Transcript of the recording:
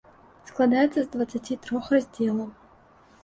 Складаецца з дваццаці трох раздзелаў.